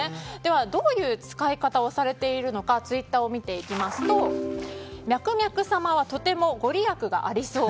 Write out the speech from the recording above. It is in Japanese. どういう使い方をされているのかツイッターを見ていきますとミャクミャク様はとてもご利益がありそう。